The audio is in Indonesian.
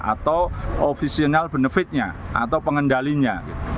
atau ofisial benefitnya atau pengendalinya